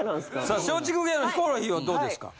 さあ松竹芸能ヒコロヒーはどうですか？